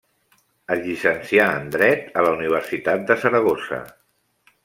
Es llicencià en dret a la Universitat de Saragossa.